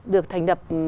được thành đập